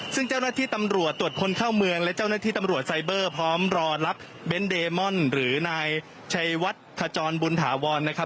ซึ่งเจ้าหน้าที่ตำรวจตรวจคนเข้าเมืองและเจ้าหน้าที่ตำรวจไซเบอร์พร้อมรอรับเบนท์เดมอนหรือนายชัยวัดขจรบุญถาวรนะครับ